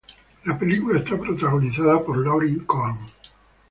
La película está protagonizada por Lauren Cohan.